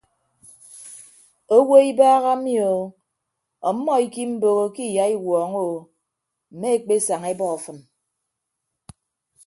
Owo ibaha mi o ọmmọ ikiimboho ke iyaiwuọñọ o mme ekpesaña ebọ afịm.